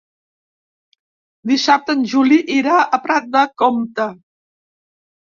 Dissabte en Juli irà a Prat de Comte.